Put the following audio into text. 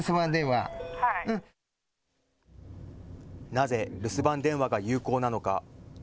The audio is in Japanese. なぜ留守番電話が有効なのか。